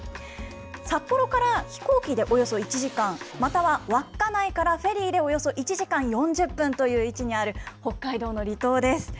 札幌から飛行機でおよそ１時間、または稚内からフェリーでおよそ１時間４０分という位置にある北海道の離島です。